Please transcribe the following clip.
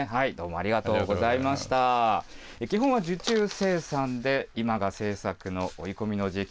基本は受注生産で、今が制作の追い込みの時期。